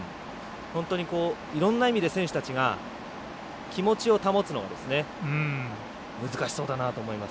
本当に、いろんな意味で選手たちが気持ちを保つのが難しそうだなと思います。